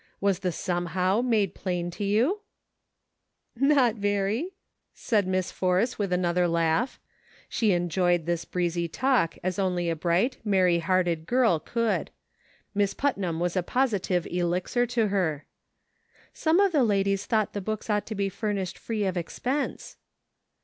Was the 'somehow' made plain to you ?"" Not very," said Miss Force, with another laugh ; she enjoyed this breezy talk as only a bright, merry hearted girl could. Miss Putnam was a positive elixir to her. " Some of the ladies thought the books ought to be furnished free of expense."